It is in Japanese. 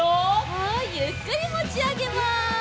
はいゆっくりもちあげます。